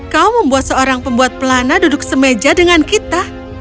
kau membuat seorang pembuat pelana duduk sementara kita